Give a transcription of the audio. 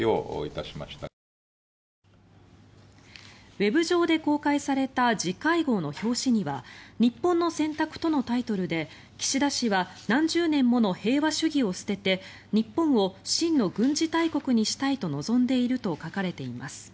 ウェブ上で公開された次回号の表紙には「日本の選択」とのタイトルで岸田氏は何十年もの平和主義を捨てて日本を真の軍事大国にしたいと望んでいると書かれています。